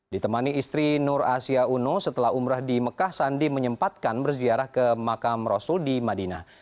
ditemani istri nur asia uno setelah umrah di mekah sandi menyempatkan berziarah ke makam rasul di madinah